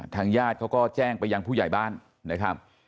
ญาติเขาก็แจ้งไปยังผู้ใหญ่บ้านนะครับ